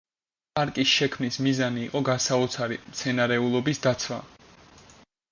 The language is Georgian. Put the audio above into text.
პარკის შექმნის მიზანი იყო გასაოცარი მცენარეულობის დაცვა.